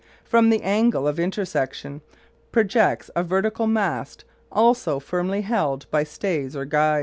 From the angle of intersection projects a vertical mast, also firmly held by stays or guys.